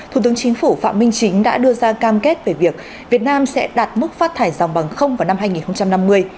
thủ tướng chính phủ phạm minh chính đã đưa ra cam kết về việc việt nam sẽ đạt mức phát thải dòng bằng không vào năm hai nghìn năm mươi